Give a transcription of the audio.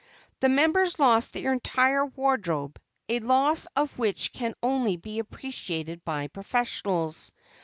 The members lost their entire wardrobe, a loss of which can only be appreciated by professionals.